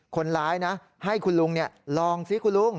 คนร้ายนะให้คุณลุงลองซิคุณลุง